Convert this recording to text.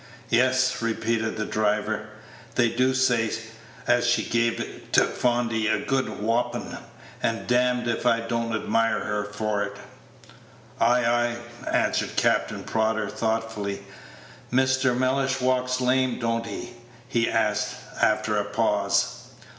"Yes," repeated the driver, "they do say as she gave t' fondy a good whopping; and damme if I don't admire her for it." "Ay, ay," answered Captain Prodder, thoughtfully. "Mr. Mellish walks lame, don't he?" he asked, after a pause.